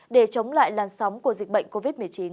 để chống lại làn sóng của dịch bệnh covid một mươi chín